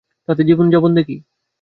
তাদের জীবন-যাপন দেখি।